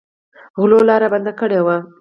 غلو لاره بنده کړې وه.